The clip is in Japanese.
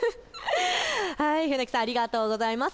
船木さん、ありがとうございます。